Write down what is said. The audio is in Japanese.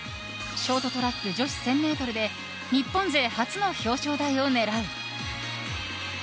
ショートトラック女子１０００ｍで日本勢初の表彰台を狙う。